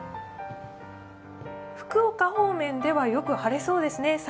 福岡方面ではよく晴れそうですね。